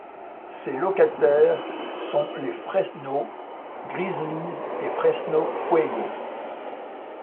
Ses locataires sont les Fresno Grizzlies et Fresno Fuego.